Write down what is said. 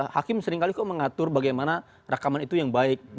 hakim seringkali kok mengatur bagaimana rekaman itu yang baik